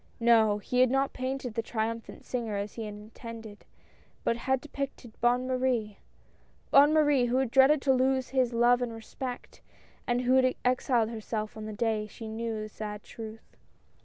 No, he had not painted the triumphant singer as he had intended, but had depicted Bonne Marie, — Bonne Marie, who had dreaded to lose his love and respect, and who had exiled herself on the day she knew the sad truth.